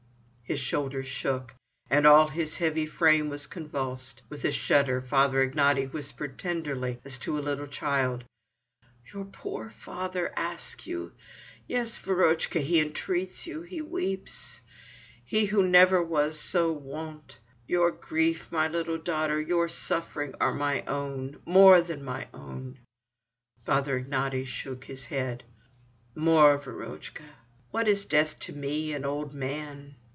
His shoulders shook, and all his heavy frame was convulsed. With a shudder Father Ignaty whispered tenderly, as to a little child: "Your poor old father asks you. Yes, Verochka, he entreats. He weeps. He who never was so wont. Your grief, my little daughter, your suffering, are my own. More than mine." Father Ignaty shook his head. "More, Verochka. What is death to me, an old man?